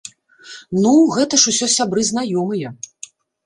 Ну, гэта ж усё сябры-знаёмыя!